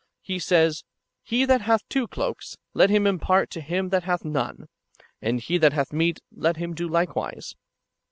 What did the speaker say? He says, ^' He that hath two coats, let him impart to him that hath none; and he that hath meat, let him do likewise."